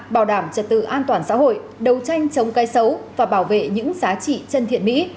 bảo đảm trật tự an toàn xã hội đấu tranh chống cây xấu và bảo vệ những giá trị chân thiện mỹ